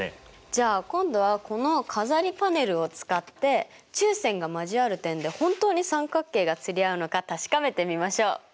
じゃあ今度はこの飾りパネルを使って中線が交わる点で本当に三角形が釣り合うのか確かめてみましょう。